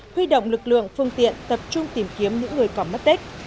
huy động lực lượng phương tiện tập trung tìm kiếm những người còn mất tích